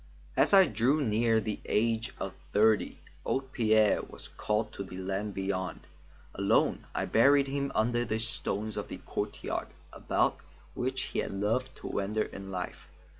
As I drew near the age of thirty, old Pierre was called to the land beyond. Alone I buried him beneath the stones of the courtyard about which he had loved to wander in life.